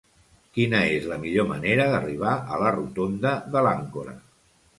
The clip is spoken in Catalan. Quina és la millor manera d'arribar a la rotonda de l'Àncora?